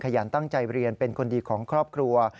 ยันตั้งใจเรียนเป็นคนดีของครอบครัว